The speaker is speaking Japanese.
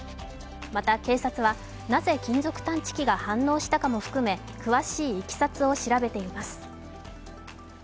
また、警察は、なぜ金属探知機が反応したかも含め詳しいいきさつを調べています。